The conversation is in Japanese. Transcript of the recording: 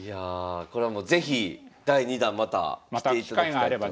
これはもう是非第２弾また来ていただきたいと。